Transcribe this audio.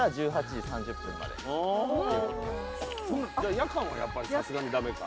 夜間はやっぱりさすがに駄目か。